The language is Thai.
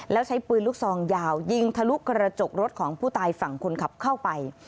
แล้วใช้ปืนลูกซองยาวยิงทะลุกระจกรถของผู้ตายฝั่งคนขับเข้าไป